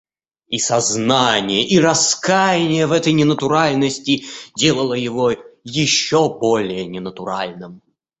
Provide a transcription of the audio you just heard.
И сознание и раскаяние в этой ненатуральности делало его еще более ненатуральным.